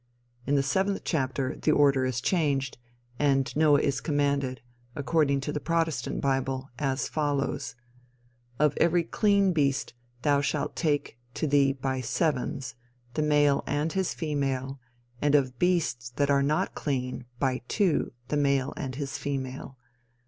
In the seventh chapter the order is changed, and Noah is commanded, according to the Protestant bible, as follows: "Of every clean beast thou shalt take to thee by sevens, the male and his female, and of beasts that are not clean, by two, the male and his female.